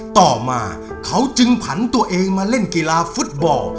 ต่อมาเขาจึงผันตัวเองมาเล่นกีฬาฟุตบอล